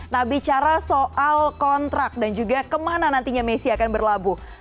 nah bicara soal kontrak dan juga kemana nantinya messi akan berlabuh